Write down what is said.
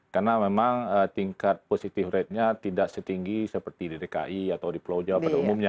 karena memang tingkat positif ratenya tidak setinggi seperti di dki atau di pulau jawa pada umumnya